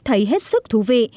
thấy hết sức thú vị